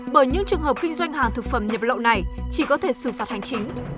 bởi những trường hợp kinh doanh hàng thực phẩm nhập lậu này chỉ có thể xử phạt hành chính